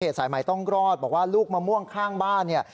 อเทศสายใหม่ต้องรอดบอกว่าลูกมะม่วงข้างบ้าน